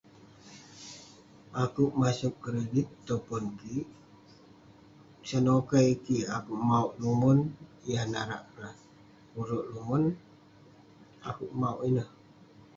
Akouk maseg kredit tong pon kik, senokai kik mauk numon yah narak rah. Kurek numon neh, akouk mauk ineh.